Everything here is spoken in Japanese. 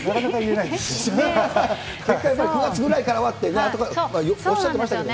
大体９月ぐらいからはっておっしゃっていましたけどもね。